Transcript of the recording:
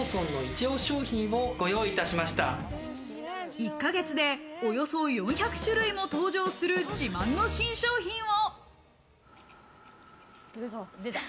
１か月でおよそ４００種類も登場する自慢の新商品を。